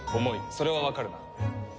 それはわかるな？